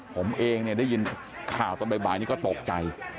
ผมเองเนี่ยได้ยินข่าวตอนบ่ายนี้ก็ตกใจ